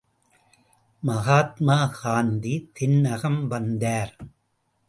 மகாத்மா காந்தி தென்னகம் வந்தார்.